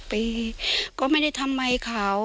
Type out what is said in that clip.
๑๐ปีก็ไม่ได้ทำใหม่เขา